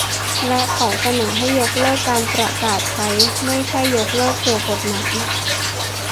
และเขาเสนอให้ยกเลิกการประกาศใช้ ไม่ใช่ยกเลิกตัวกฎหมาย